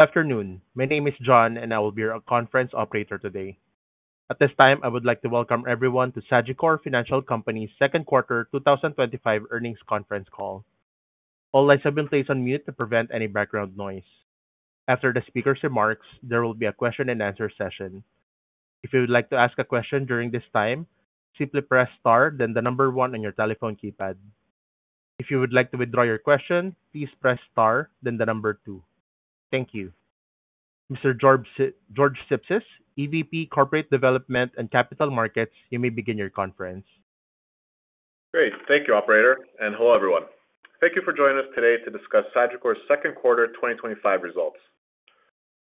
Afternoon, my name is John and I will be your conference operator today. At this time, I would like to welcome everyone to Sagicor Financial Company 2nd Quarter 2025 Earnings Conference call. All lines have been placed on mute to prevent any background noise. After the speakers' remarks, there will be a question and answer session. If you would like to ask a question during this time, simply press star, then the number one on your telephone keypad. If you would like to withdraw your question, please press star, then the number two. Thank you. Mr. George Sipsis, EVP, Corporate Development and Capital Markets, you may begin your conference. Great, thank you, Operator, and hello everyone. Thank you for joining us today to discuss Sagicor's 2nd quarter 2025 results.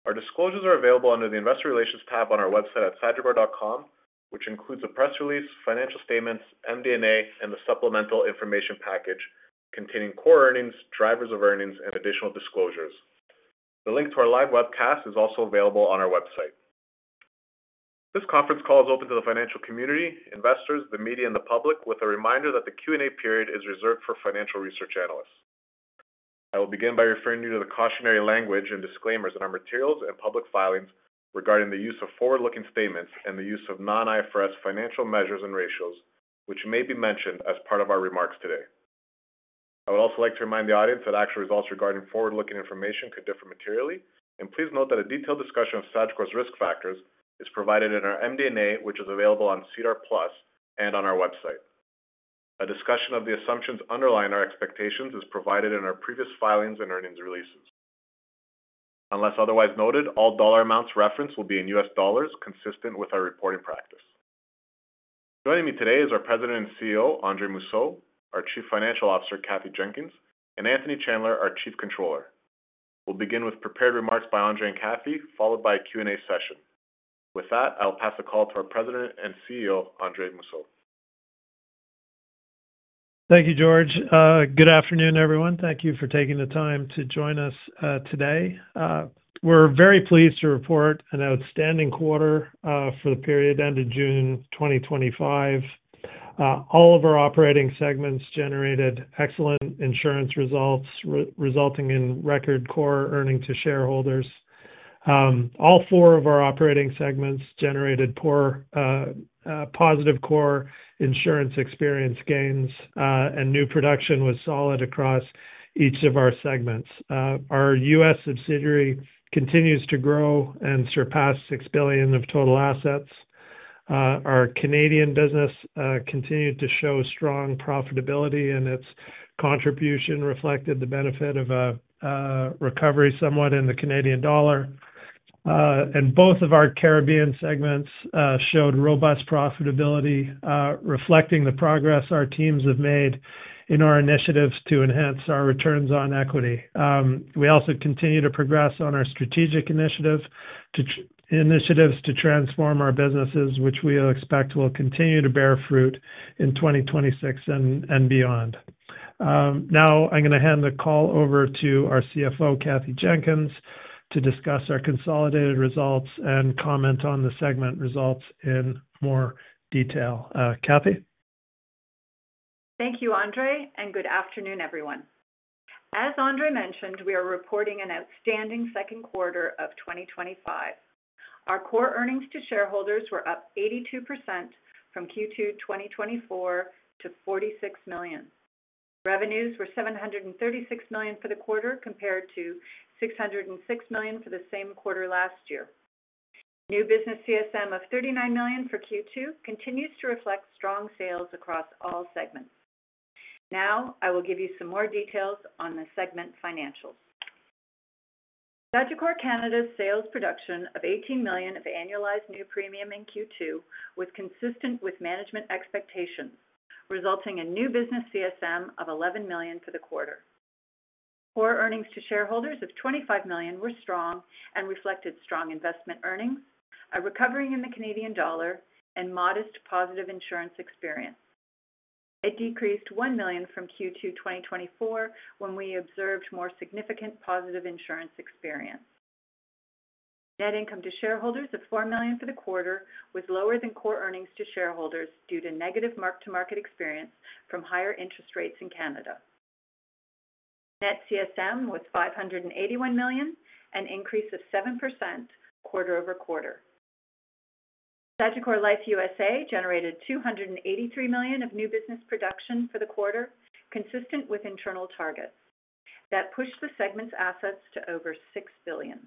Our disclosures are available under the Investor Relations tab on our website at sagicor.com, which includes a press release, financial statements, MD&A, and a supplemental information package containing core earnings, drivers of earnings, and additional disclosures. The link to our live webcast is also available on our website. This conference call is open to the financial community, investors, the media, and the public, with a reminder that the Q&A period is reserved for financial research analysts. I will begin by referring you to the cautionary language and disclaimers in our materials and public filings regarding the use of forward-looking statements and the use of non-IFRS financial measures and ratios, which may be mentioned as part of our remarks today. I would also like to remind the audience that actual results regarding forward-looking information could differ materially, and please note that a detailed discussion of Sagicor's risk factors is provided in our MD&A, which is available on CDAR+ and on our website. A discussion of the assumptions underlying our expectations is provided in our previous filings and earnings releases. Unless otherwise noted, all dollar amounts referenced will be in U.S. dollars, consistent with our reporting practice. Joining me today are our President and CEO, Andre Mousseau, our Chief Financial Officer, Kathy Jenkins, and Anthony Chandler, our Chief Controller. We'll begin with prepared remarks by Andre and Kathy, followed by a Q&A session. With that, I will pass the call to our President and CEO, Andre Mousseau. Thank you, George. Good afternoon, everyone. Thank you for taking the time to join us today. We're very pleased to report an outstanding quarter for the period end of June 2025. All of our operating segments generated excellent insurance results, resulting in record core earnings to shareholders. All four of our operating segments generated positive core insurance experience gains, and new production was solid across each of our segments. Our U.S. subsidiary continues to grow and surpass $6 billion of total assets. Our Canadian business continued to show strong profitability, and its contribution reflected the benefit of a recovery somewhat in the Canadian dollar. Both of our Caribbean segments showed robust profitability, reflecting the progress our teams have made in our initiatives to enhance our returns on equity. We also continue to progress on our strategic initiatives to transform our businesses, which we expect will continue to bear fruit in 2026 and beyond. Now, I'm going to hand the call over to our CFO, Kathy Jenkins, to discuss our consolidated results and comment on the segment results in more detail. Kathy? Thank you, Andre, and good afternoon, everyone. As Andre mentioned, we are reporting an outstanding second quarter of 2025. Our core earnings to shareholders were up 82% from Q2 2024 to $46 million. Revenues were $736 million for the quarter, compared to $606 million for the same quarter last year. New business CSM of $39 million for Q2 continues to reflect strong sales across all segments. Now, I will give you some more details on the segment financials. Sagicor Canada's sales production of $18 million of annualized new premium in Q2 was consistent with management expectations, resulting in new business CSM of $11 million for the quarter. Core earnings to shareholders of $25 million were strong and reflected strong investment earnings, a recovery in the Canadian dollar, and modest positive insurance experience. It decreased $1 million from Q2 2024 when we observed more significant positive insurance experience. Net income to shareholders of $4 million for the quarter was lower than core earnings to shareholders due to negative mark-to-market experience from higher interest rates in Canada. Net CSM was $581 million, an increase of 7% quarter-over-quarter. Sagicor Life U.S.A. generated $283 million of new business production for the quarter, consistent with internal targets. That pushed the segment's assets to over $6 billion.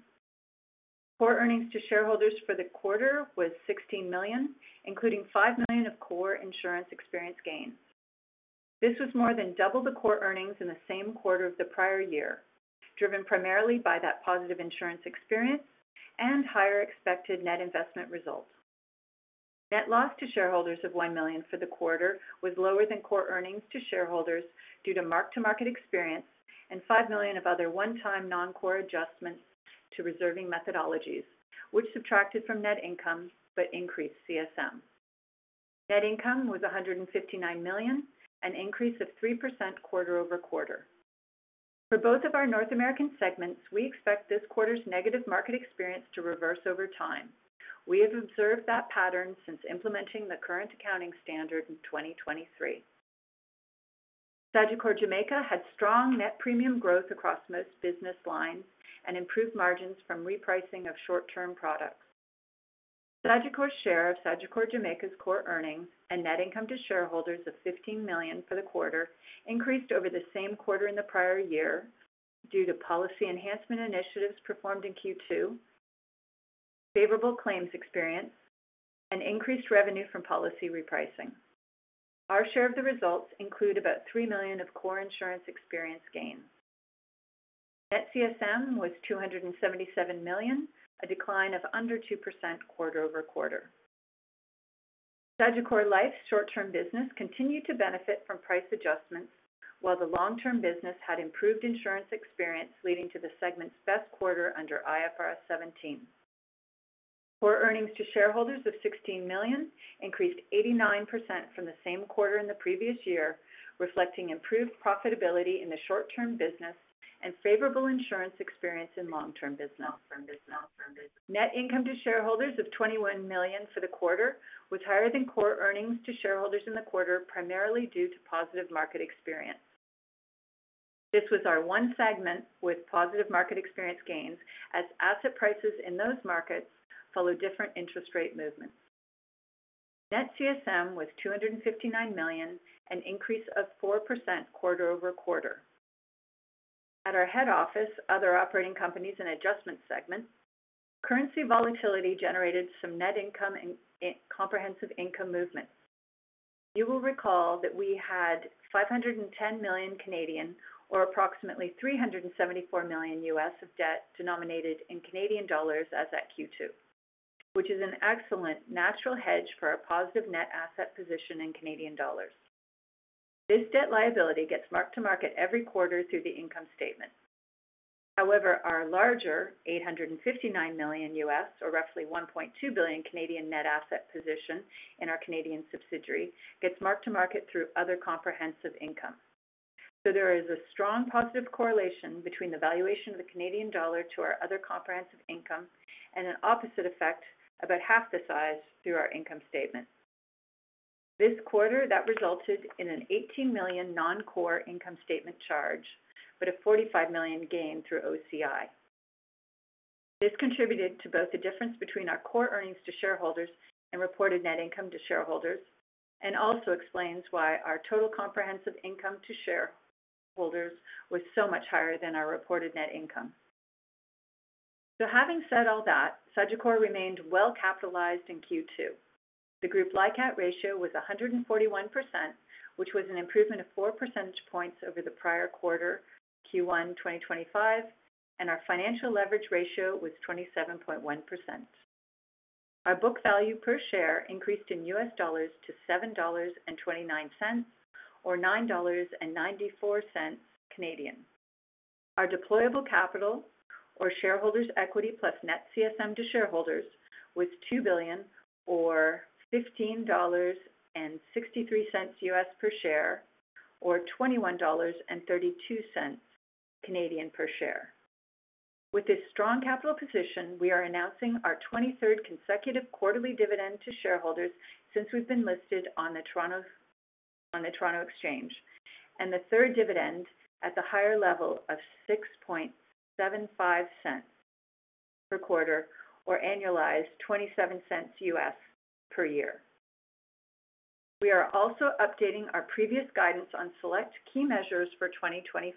Core earnings to shareholders for the quarter were $16 million, including $5 million of core insurance experience gains. This was more than double the core earnings in the same quarter of the prior year, driven primarily by that positive insurance experience and higher expected net investment result. Net loss to shareholders of $1 million for the quarter was lower than core earnings to shareholders due to mark-to-market experience and $5 million of other one-time non-core adjustments to reserving methodologies, which subtracted from net income but increased CSM. Net income was $159 million, an increase of 3% quarter-over-quarter. For both of our North American segments, we expect this quarter's negative market experience to reverse over time. We have observed that pattern since implementing the current accounting standard in 2023. Sagicor Jamaica had strong net premium growth across most business lines and improved margins from repricing of short-term products. Sagicor's share of Sagicor Jamaica's core earnings and net income to shareholders of $15 million for the quarter increased over the same quarter in the prior year due to policy enhancement initiatives performed in Q2, favorable claims experience, and increased revenue from policy repricing. Our share of the results included about $3 million of core insurance experience gains. Net CSM was $277 million, a decline of under 2% quarter-over-quarter. Sagicor Life's short-term business continued to benefit from price adjustments, while the long-term business had improved insurance experience, leading to the segment's best quarter under IFRS 17. Core earnings to shareholders of $16 million increased 89% from the same quarter in the previous year, reflecting improved profitability in the short-term business and favorable insurance experience in long-term business. Net income to shareholders of $21 million for the quarter was higher than core earnings to shareholders in the quarter, primarily due to positive market experience. This was our one segment with positive market experience gains, as asset prices in those markets follow different interest rate movements. Net CSM was $259 million, an increase of 4% quarter-over-quarter. At our head office, other operating companies and adjustment segments, currency volatility generated some net income and comprehensive income movements. You will recall that we had 510 million, or approximately $374 million of debt denominated in Canadian dollars as at Q2, which is an excellent natural hedge for our positive net asset position in Canadian dollars. This debt liability gets marked to market every quarter through the income statements. However, our larger $859 million, or roughly 1.2 billion net asset position in our Canadian subsidiary, gets marked to market through other comprehensive income. There is a strong positive correlation between the valuation of the Canadian dollar to our other comprehensive income and an opposite effect, about half the size, through our income statement. This quarter, that resulted in an $18 million non-core income statement charge, but a $45 million gain through OCI. This contributed to both the difference between our core earnings to shareholders and reported net income to shareholders, and also explains why our total comprehensive income to shareholders was so much higher than our reported net income. Having said all that, Sagicor remained well capitalized in Q2. The group LICAT ratio was 141%, which was an improvement of 4 percentage points over the prior quarter, Q1 2025, and our financial leverage ratio was 27.1%. Our book value per share increased in U.S. dollars to $7.29, or 9.94 Canadian dollars. Our deployable capital, or shareholders' equity plus net CSM to shareholders, was $2 billion, or $15.63 per share, or 21.32 Canadian dollars per share. With this strong capital position, we are announcing our 23rd consecutive quarterly dividend to shareholders since we've been listed on the Toronto Exchange, and the third dividend at the higher level of $0.0675 per quarter, or annualized $0.27 per year. We are also updating our previous guidance on select key measures for 2025.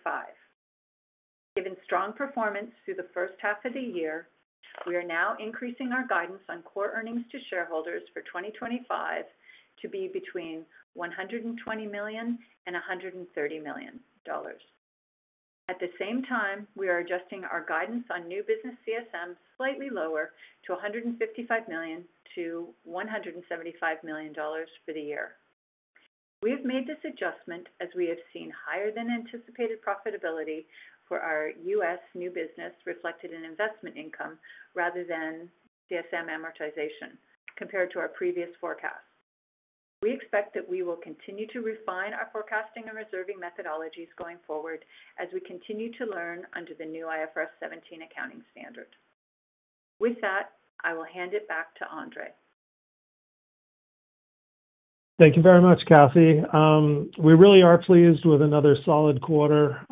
Given strong performance through the first half of the year, we are now increasing our guidance on core earnings to shareholders for 2025 to be between $120 million and $130 million. At the same time, we are adjusting our guidance on new business CSM slightly lower to $155 million to $175 million for the year. We have made this adjustment as we have seen higher than anticipated profitability for our U.S. new business reflected in investment income rather than CSM amortization, compared to our previous forecast. We expect that we will continue to refine our forecasting and reserving methodologies going forward as we continue to learn under the new IFRS 17 accounting standard. With that, I will hand it back to Andre. Thank you very much, Kathy. We really are pleased with another solid quarter.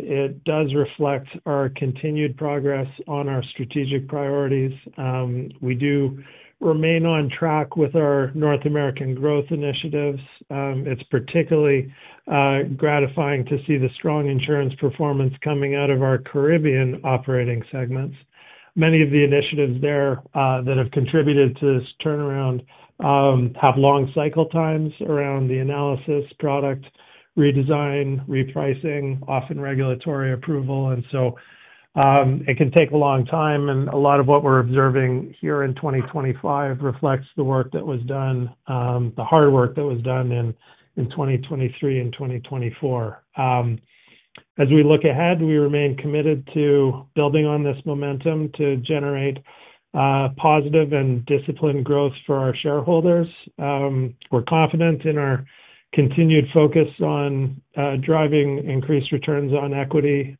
It does reflect our continued progress on our strategic priorities. We do remain on track with our North American growth initiatives. It's particularly gratifying to see the strong insurance performance coming out of our Caribbean operating segments. Many of the initiatives there that have contributed to this turnaround have long cycle times around the analysis, product, redesign, repricing, often regulatory approval, and it can take a long time. A lot of what we're observing here in 2025 reflects the work that was done, the hard work that was done in 2023 and 2024. As we look ahead, we remain committed to building on this momentum to generate positive and disciplined growth for our shareholders. We're confident in our continued focus on driving increased returns on equity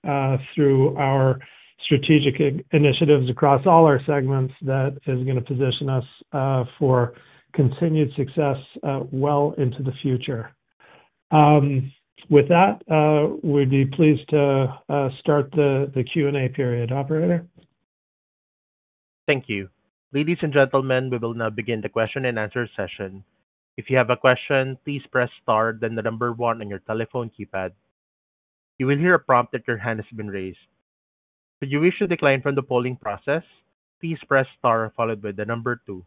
through our strategic initiatives across all our segments that is going to position us for continued success well into the future. With that, we'd be pleased to start the Q&A period, Operator. Thank you. Ladies and gentlemen, we will now begin the question and answer session. If you have a question, please press star, then the number one on your telephone keypad. You will hear a prompt that your hand has been raised. If you wish to decline from the polling process, please press star, followed by the number two.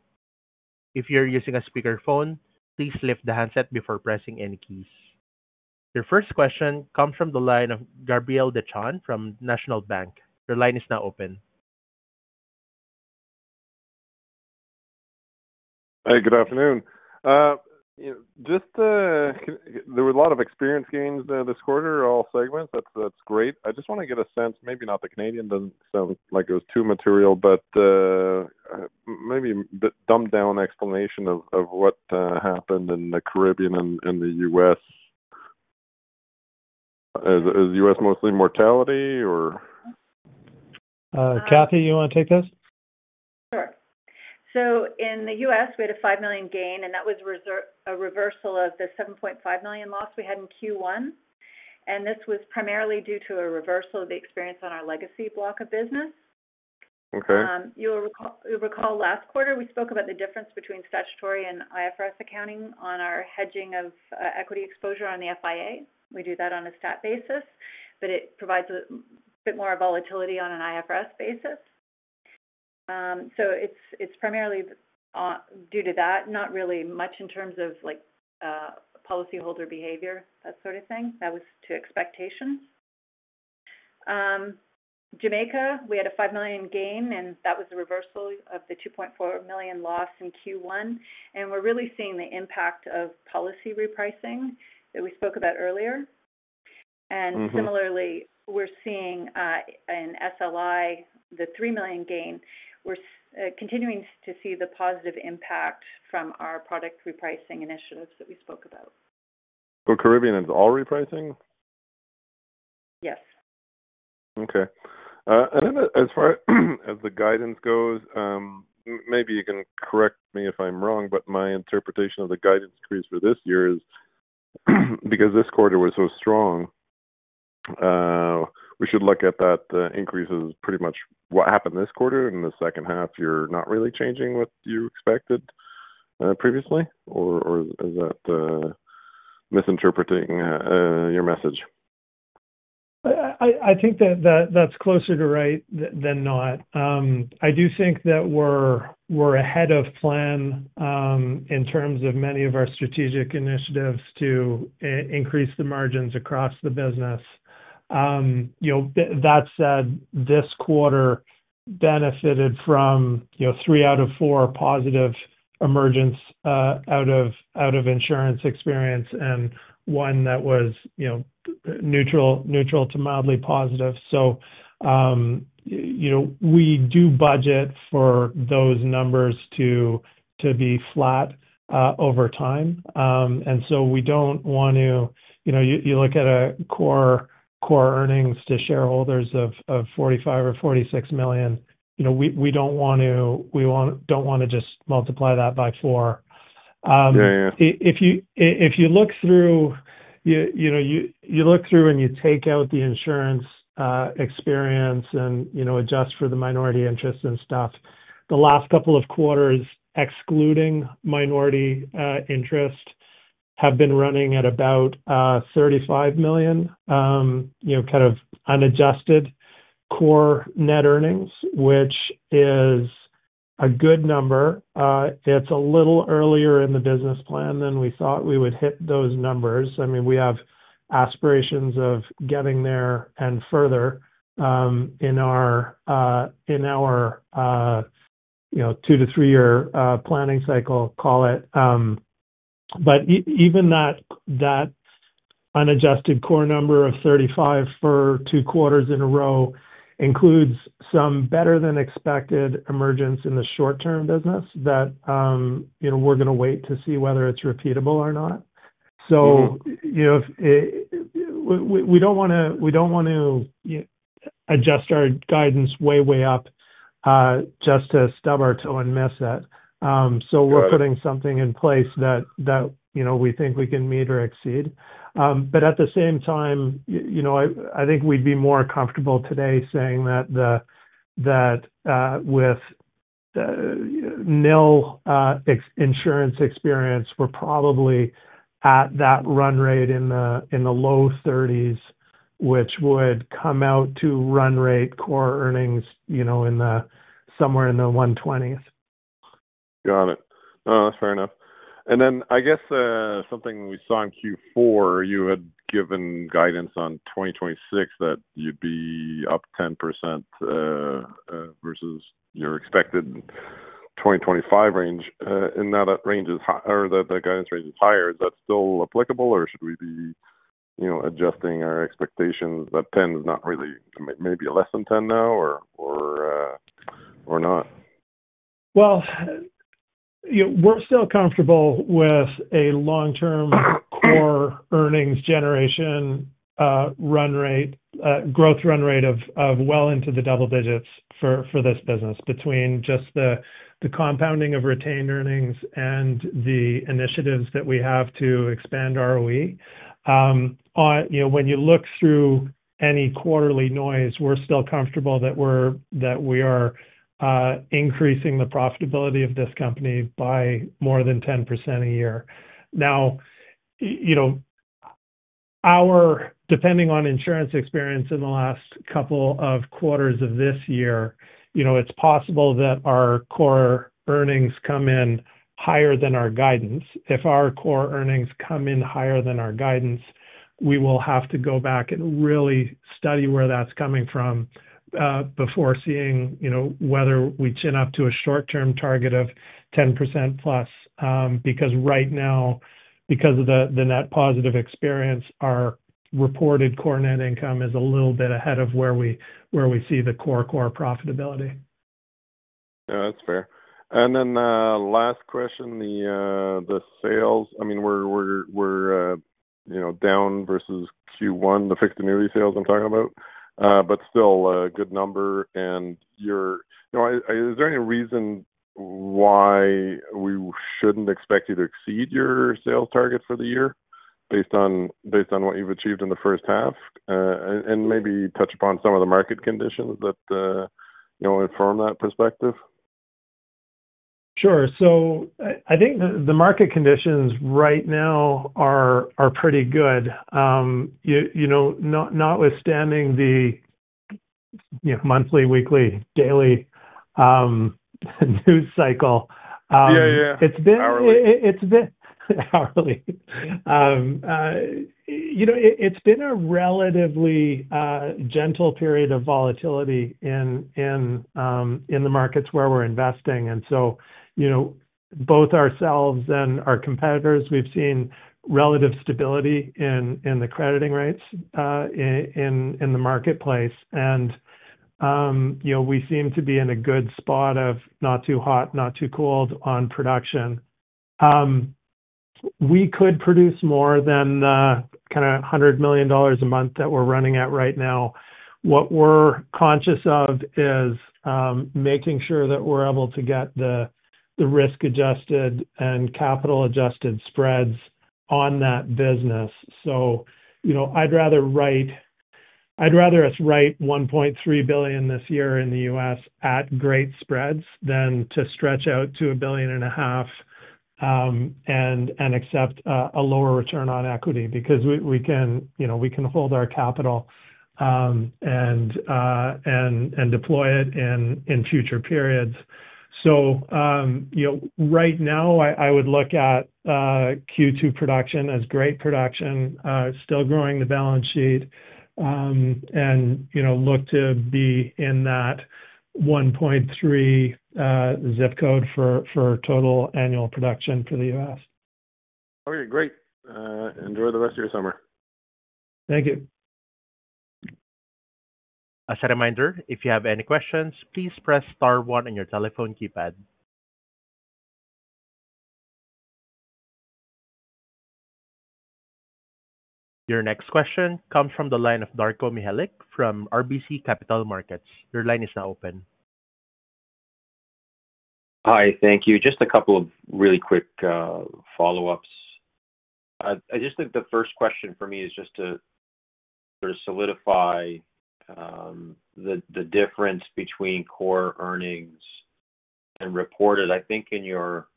If you're using a speakerphone, please lift the handset before pressing any keys. Your first question comes from the line of Gabriel Dechaine from National Bank. Your line is now open. Hi, good afternoon. There were a lot of experience gains this quarter, all segments. That's great. I just want to get a sense, maybe not the Canadian doesn't sound like it was too material, but maybe a bit dumbed down explanation of what happened in the Caribbean and the U.S. Is the U.S. mostly mortality, or? Kathy, you want to take this? Sure. In the U.S., we had a $5 million gain, which was a reversal of the $7.5 million loss we had in Q1. This was primarily due to a reversal of the experience on our legacy block of business. Okay. You'll recall last quarter we spoke about the difference between statutory and IFRS accounting on our hedging of equity exposure on the FIA. We do that on a stat basis, but it provides a bit more volatility on an IFRS basis. It's primarily due to that, not really much in terms of policyholder behavior, that sort of thing. That was to expectation. Jamaica, we had a $5 million gain, and that was a reversal of the $2.4 million loss in Q1. We're really seeing the impact of policy repricing that we spoke about earlier. Similarly, we're seeing in SLI the $3 million gain. We're continuing to see the positive impact from our product repricing initiatives that we spoke about. For Caribbean, it's all repricing? Yes. Okay. As far as the guidance goes, maybe you can correct me if I'm wrong, but my interpretation of the guidance period for this year is because this quarter was so strong, we should look at that increase as pretty much what happened this quarter in the second half. You're not really changing what you expected previously, or is that misinterpreting your message? I think that that's closer to right than not. I do think that we're ahead of plan in terms of many of our strategic initiatives to increase the margins across the business. That said, this quarter benefited from three out of four positive emergence out of insurance experience and one that was neutral to mildly positive. We do budget for those numbers to be flat over time. We don't want to, you know, you look at a core earnings to shareholders of $45 million or $46 million. We don't want to just multiply that by four. Yeah, yeah. If you look through and you take out the insurance experience and adjust for the minority interest and stuff, the last couple of quarters, excluding minority interest, have been running at about $35 million, kind of unadjusted core net earnings, which is a good number. It's a little earlier in the business plan than we thought we would hit those numbers. I mean, we have aspirations of getting there and further in our two to three-year planning cycle, call it. Even that unadjusted core number of $35 million for two quarters in a row includes some better than expected emergence in the short-term business that we're going to wait to see whether it's repeatable or not. We don't want to adjust our guidance way, way up just to stub our toe and miss it. We're putting something in place that we think we can meet or exceed. At the same time, I think we'd be more comfortable today saying that with nil insurance experience, we're probably at that run rate in the low $30 million, which would come out to run rate core earnings somewhere in the $120 million. Got it. That's fair enough. I guess something we saw in Q4, you had given guidance on 2026 that you'd be up 10% versus your expected 2025 range. Now that range is higher, or that the guidance range is higher, is that still applicable, or should we be adjusting our expectations that 10% is not really, maybe less than 10% now or not? We're still comfortable with a long-term core earnings generation run rate, growth run rate of well into the double digits for this business between just the compounding of retained earnings and the initiatives that we have to expand ROE. When you look through any quarterly noise, we're still comfortable that we are increasing the profitability of this company by more than 10% a year. Now, depending on insurance experience in the last couple of quarters of this year, it's possible that our core earnings come in higher than our guidance. If our core earnings come in higher than our guidance, we will have to go back and really study where that's coming from before seeing whether we chin up to a short-term target of 10%+, because right now, because of the net positive experience, our reported core net income is a little bit ahead of where we see the core core profitability. Yeah, that's fair. Last question, the sales, I mean, we're down versus Q1, the fixed annuity sales I'm talking about, but still a good number. You're, you know, is there any reason why we shouldn't expect you to exceed your sales target for the year based on what you've achieved in the first half? Maybe touch upon some of the market conditions that, you know, from that perspective? Sure. I think the market conditions right now are pretty good, notwithstanding the monthly, weekly, daily news cycle. Yeah, yeah. It's been a relatively gentle period of volatility in the markets where we're investing. Both ourselves and our competitors have seen relative stability in the crediting rates in the marketplace. We seem to be in a good spot of not too hot, not too cold on production. We could produce more than the kind of $100 million a month that we're running at right now. What we're conscious of is making sure that we're able to get the risk-adjusted and capital-adjusted spreads on that business. I'd rather us write $1.3 billion this year in the U.S. at great spreads than to stretch out to $1.5 billion and accept a lower return on equity because we can hold our capital and deploy it in future periods. Right now, I would look at Q2 production as great production, still growing the balance sheet, and look to be in that $1.3 billion zip code for total annual production for the U.S. Okay, great. Enjoy the rest of your summer. Thank you. As a reminder, if you have any questions, please press star one on your telephone keypad. Your next question comes from the line of Darko Mihelic from RBC Capital Markets. Your line is now open. Hi, thank you. Just a couple of really quick follow-ups. I just think the first question for me is to sort of solidify the difference between core earnings and reported. I think in your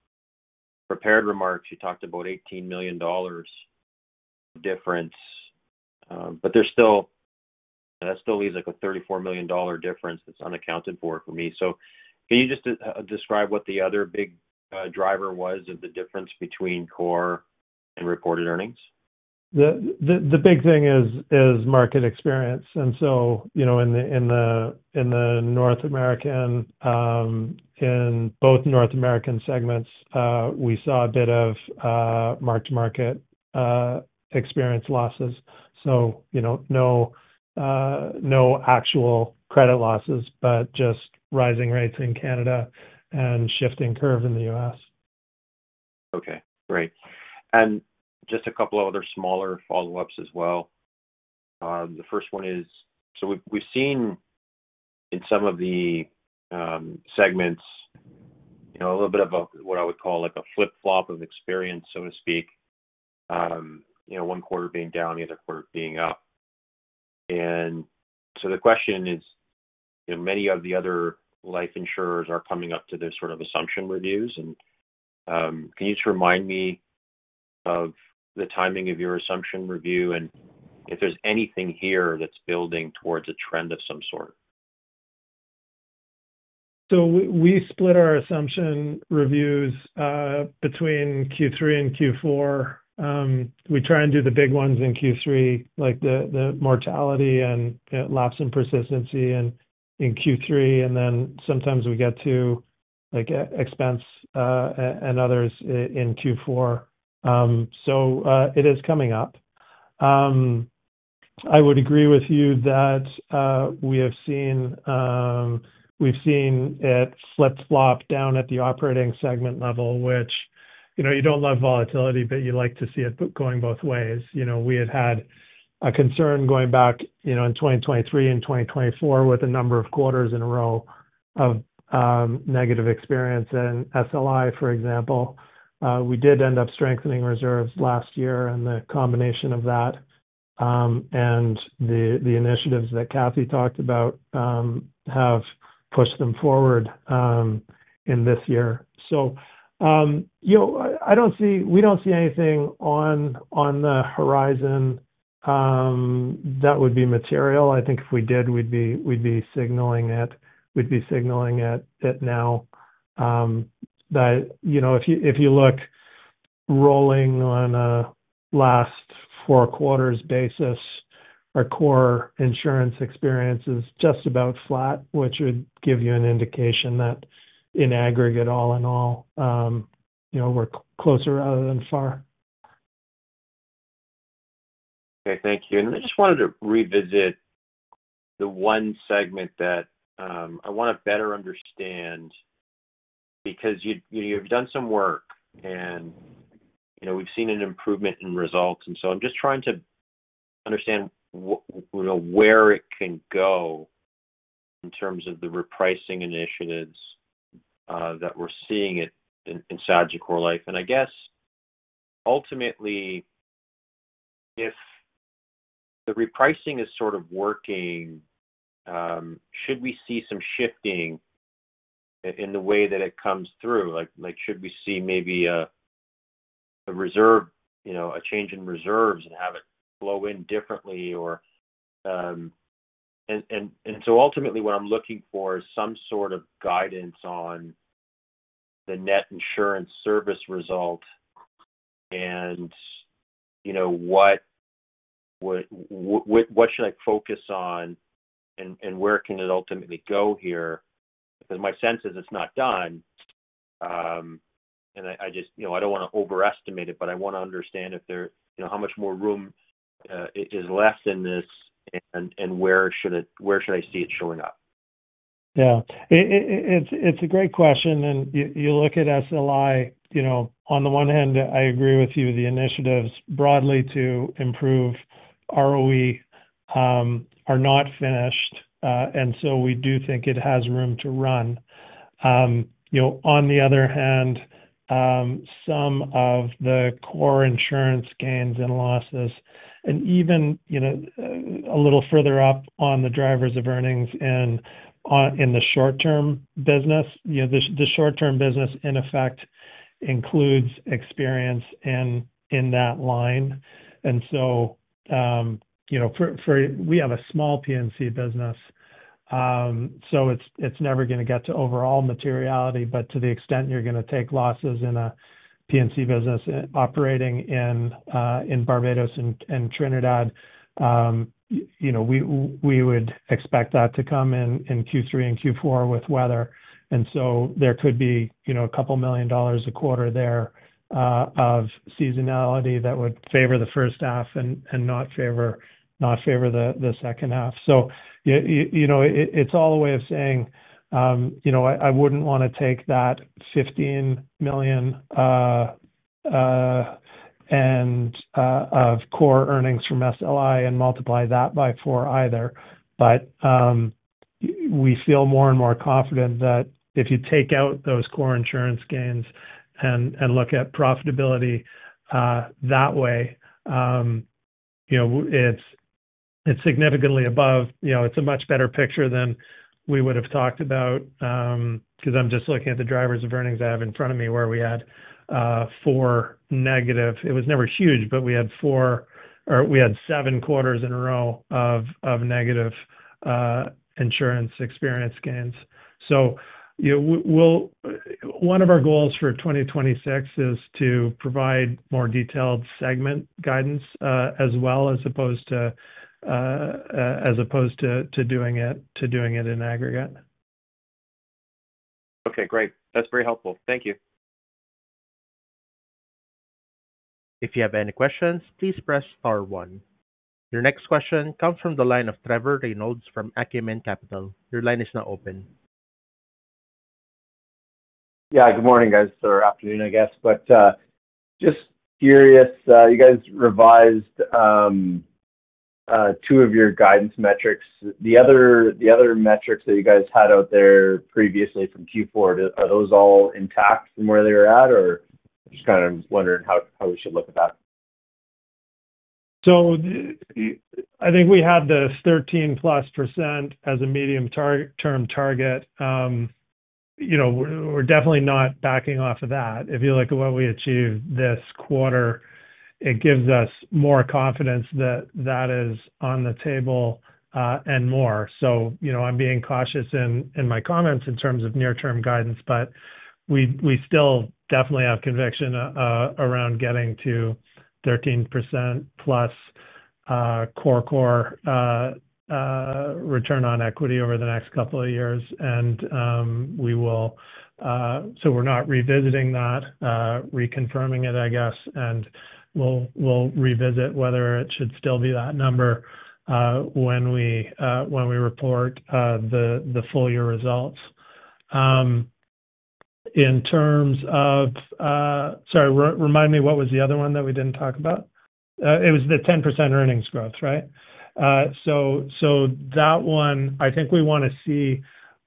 prepared remarks, you talked about an $18 million difference, but that still leaves like a $34 million difference that's unaccounted for for me. Can you just describe what the other big driver was of the difference between core and reported earnings? The big thing is market experience. In both North American segments, we saw a bit of mark-to-market experience losses. No actual credit losses, but just rising rates in Canada and shifting curve in the U.S. Okay, great. Just a couple of other smaller follow-ups as well. The first one is, we've seen in some of the segments a little bit of what I would call like a flip-flop of experience, so to speak. One quarter being down, the other quarter being up. The question is, many of the other life insurers are coming up to this sort of assumption reviews. Can you just remind me of the timing of your assumption review and if there's anything here that's building towards a trend of some sort? We split our assumption reviews between Q3 and Q4. We try and do the big ones in Q3, like the mortality and loss and persistency in Q3, and then sometimes we get to expense and others in Q4. It is coming up. I would agree with you that we have seen it flip-flop down at the operating segment level, which, you know, you don't love volatility, but you like to see it going both ways. We had had a concern going back in 2023 and 2024 with a number of quarters in a row of negative experience in SLI, for example. We did end up strengthening reserves last year, and the combination of that and the initiatives that Kathy talked about have pushed them forward in this year. I don't see, we don't see anything on the horizon that would be material. I think if we did, we'd be signaling it. We'd be signaling it now. If you looked rolling on a last four quarters basis, our core insurance experience is just about flat, which would give you an indication that in aggregate, all in all, we're closer rather than far. Okay, thank you. I just wanted to revisit the one segment that I want to better understand because you've done some work and we've seen an improvement in results. I'm just trying to understand where it can go in terms of the repricing initiatives that we're seeing in Sagicor Life. I guess, ultimately, if the repricing is sort of working, should we see some shifting in the way that it comes through? Should we see maybe a reserve, a change in reserves and have it flow in differently? Ultimately, what I'm looking for is some sort of guidance on the net insurance service result and what should I focus on and where can it ultimately go here? My sense is it's not done. I don't want to overestimate it, but I want to understand if there, you know, how much more room is left in this and where should I see it showing up? Yeah, it's a great question. You look at SLI, you know, on the one hand, I agree with you, the initiatives broadly to improve ROE are not finished. We do think it has room to run. On the other hand, some of the core insurance gains and losses, and even a little further up on the drivers of earnings in the short-term business, the short-term business in effect includes experience in that line. We have a small P&C business. It's never going to get to overall materiality, but to the extent you're going to take losses in a P&C business operating in Barbados and Trinidad, we would expect that to come in Q3 and Q4 with weather. There could be a couple million dollars a quarter there of seasonality that would favor the first half and not favor the second half. It's all a way of saying I wouldn't want to take that $15 million of core earnings from SLI and multiply that by four either. We feel more and more confident that if you take out those core insurance gains and look at profitability that way, it's significantly above, it's a much better picture than we would have talked about because I'm just looking at the drivers of earnings I have in front of me where we had four negative, it was never huge, but we had four or we had seven quarters in a row of negative insurance experience gains. One of our goals for 2026 is to provide more detailed segment guidance as well as opposed to doing it in aggregate. Okay, great. That's very helpful. Thank you. If you have any questions, please press star one. Your next question comes from the line of Trevor Reynolds from Acumen Capital. Your line is now open. Good morning guys, or afternoon I guess, just curious, you guys revised two of your guidance metrics. The other metrics that you guys had out there previously from Q4, are those all intact from where they were at or just kind of wondering how we should look at that? I think we had this 13%+ as a medium-term target. We're definitely not backing off of that. If you look at what we achieved this quarter, it gives us more confidence that that is on the table and more. I'm being cautious in my comments in terms of near-term guidance, but we still definitely have conviction around getting to 13%+ core return on equity over the next couple of years. We're not revisiting that, reconfirming it, I guess, and we'll revisit whether it should still be that number when we report the full-year results. In terms of, sorry, remind me what was the other one that we didn't talk about? It was the 10% earnings growth, right? That one, I think we want to see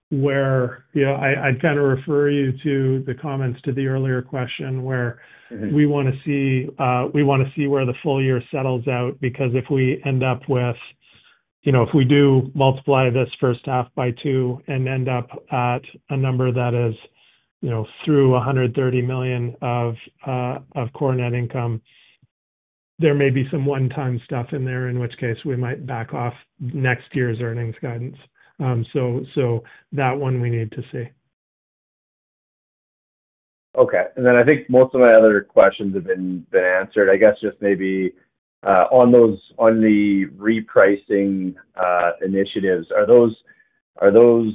where, I kind of refer you to the comments to the earlier question where we want to see, we want to see where the full year settles out because if we end up with, if we do multiply this first half by two and end up at a number that is through $130 million of core net income, there may be some one-time stuff in there, in which case we might back off next year's earnings guidance. That one we need to see. Okay. I think most of my other questions have been answered. I guess just maybe on those repricing initiatives, are those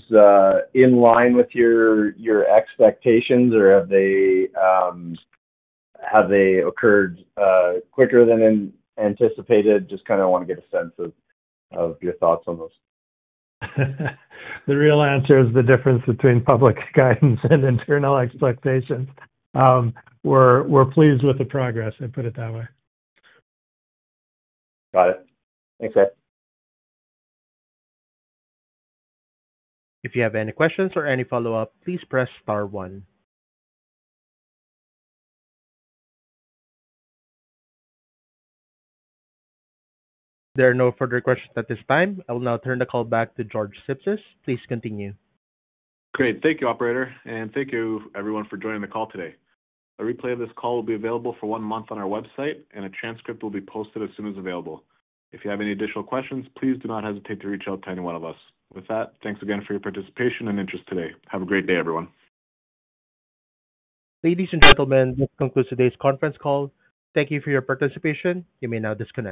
in line with your expectations or have they occurred quicker than anticipated? I just kind of want to get a sense of your thoughts on those. The real answer is the difference between public guidance and internal expectations. We're pleased with the progress, I'd put it that way. Got it. Thanks. If you have any questions or any follow-up, please press star one. There are no further questions at this time. I will now turn the call back to George Sipsis. Please continue. Great. Thank you, Operator, and thank you everyone for joining the call today. A replay of this call will be available for one month on our website, and a transcript will be posted as soon as available. If you have any additional questions, please do not hesitate to reach out to any one of us. With that, thanks again for your participation and interest today. Have a great day, everyone. Ladies and gentlemen, this concludes today's conference call. Thank you for your participation. You may now disconnect.